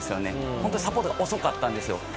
本当にサポートが遅かったんですよ。